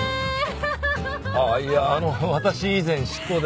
ああいやあの私以前執行で。